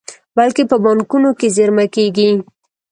بلکې په بانکونو کې زېرمه کیږي.